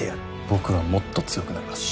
僕はもっと強くなります。